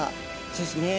そうですね。